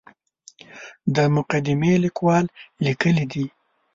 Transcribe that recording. د مقدمې لیکوال لیکلي دي.